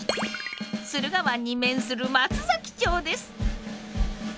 駿河湾に面する松崎町です。